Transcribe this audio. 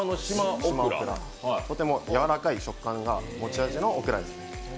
とてもやわらかい食感が持ち味のオクラです。